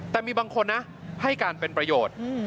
แต่มีบางคนนะให้การเป็นประโยชน์